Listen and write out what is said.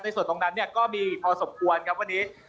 ในส่วนตรงนั้นก็มีพอสมควรครับวันนี้